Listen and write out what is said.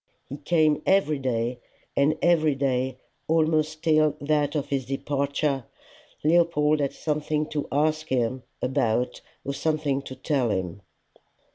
He came every day, and every day, almost till that of his departure, Leopold had something to ask him about or something to tell him.